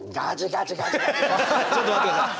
ちょっと待って下さい。